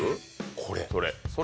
これ。